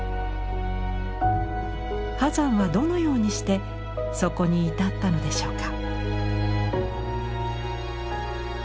波山はどのようにしてそこに至ったのでしょうか。